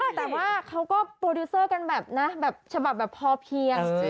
แต่ว่าเขาก็โปรดิวเซอร์กันแบบนะแบบฉบับแบบพอเพียง